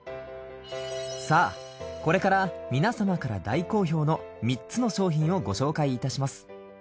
さあこれから皆様から大好評の３つの商品をご紹介いたします。